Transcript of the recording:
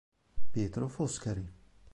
Pietro Foscari